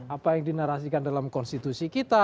apa yang dinarasikan dalam konstitusi kita